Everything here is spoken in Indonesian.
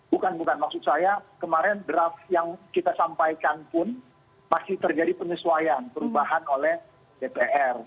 bukan bukan maksud saya kemarin draft yang kita sampaikan pun masih terjadi penyesuaian perubahan oleh dpr